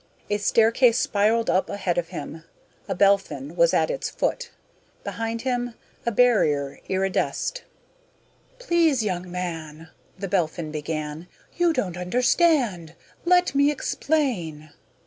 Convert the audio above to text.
A staircase spiraled up ahead of him. A Belphin was at its foot. Behind him, a barrier iridesced. "Please, young man " the Belphin began. "You don't understand. Let me explain."